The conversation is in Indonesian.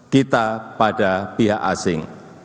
kita pada pihak asing